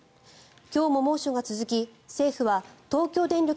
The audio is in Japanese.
今日も猛暑が続き政府は東京電力